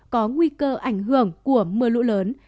có nguy cơ ảnh hưởng của mưa lũ lớn